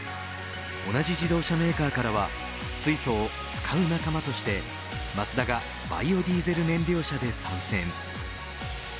同じ自動車メーカーからは水素を使う仲間としてマツダがバイオディーゼル燃料車で参戦。